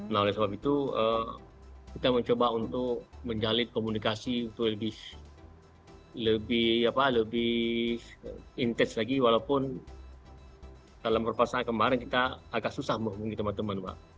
nah oleh sebab itu kita mencoba untuk menjalin komunikasi untuk lebih intens lagi walaupun dalam perpasahan kemarin kita agak susah menghubungi teman teman pak